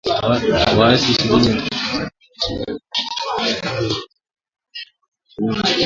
Waasi ishirini na tatu kwa msaada wa jeshi la Rwanda walishambulia kambi za jeshi la Tchanzu na Runyonyi